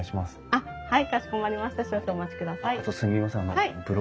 あっはい。